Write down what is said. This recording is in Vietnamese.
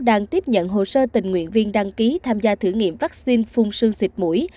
đang tiếp nhận hồ sơ tình nguyện viên đăng ký tham gia thử nghiệm vaccine phung sương xịt mũi